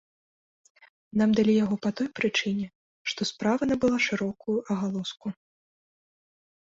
Нам далі яго па той прычыне, што справа набыла шырокую агалоску.